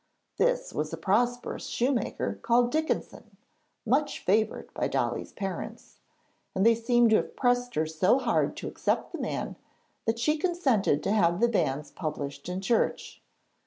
This was a prosperous shoemaker called Dickinson, much favoured by Dolly's parents, and they seemed to have pressed her so hard to accept the man that she consented to have the banns published in church.